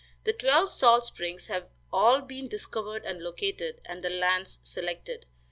The twelve salt springs have all been discovered and located, and the lands selected.